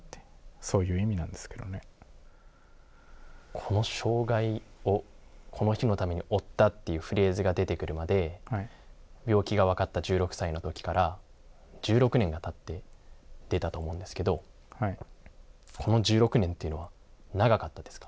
この障害をこの日のために負ったっていうフレーズが出てくるまで病気が分かった１６歳の時から１６年がたって出たと思うんですけどこの１６年というのは長かったですか？